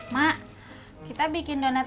mak kita bikin donat